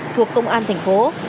thuộc công an thành phố